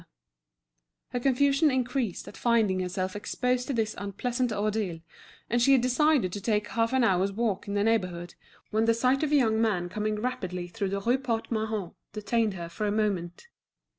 Her confusion increased at finding herself exposed to this unpleasant ordeal, and she had decided to take half an hour's walk in the neighbourhood, when the sight of a young man coming rapidly through the Rue Port Mahon, detained her for a moment.